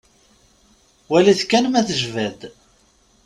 Walit kan ma tejba-d.